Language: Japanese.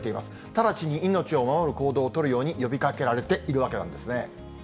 直ちに命を守る行動を取るように呼びかけられているわけなんですね。